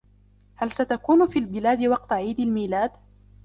هل ستكون في البلاد وقت عيد الميلاد ؟